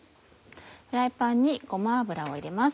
フライパンにごま油を入れます。